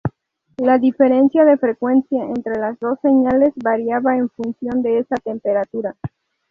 La diferencia de frecuencia entre las dos señales variaba en función de esa temperatura.